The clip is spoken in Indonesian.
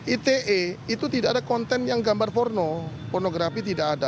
ite itu tidak ada konten yang gambar porno pornografi tidak ada